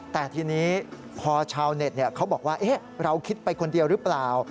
แต่ทีนี้พอชาวเน็ตเขาบอกว่าเราคิดไปคนเดียวหรือเปล่า